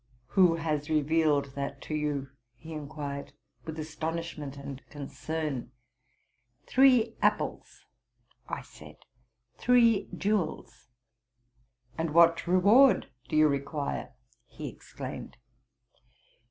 '+ Who has revealed that to you?'' he inquired, with Bachan 'nt and concern. '* Three apples,'' I said, '+ three jewels.'' —'* And what reward do you require?'' he ex claimed.